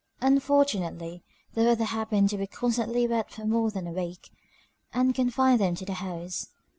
Unfortunately, the weather happened to be constantly wet for more than a week, and confined them to the house.